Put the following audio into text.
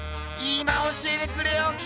今教えてくれよ。